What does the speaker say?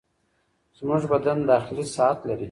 زموږ بدن داخلي ساعت لري.